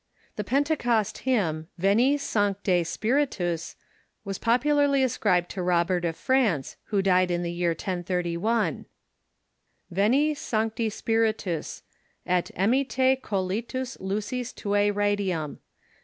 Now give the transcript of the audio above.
The Pentecost hymn, "Veni, Sancte Spiritus," was popularly ascribed to Robert of France, who died in the year 1031: "Veni, Sancte Spiritus, Et emitte coelitus Lucis tuae radium.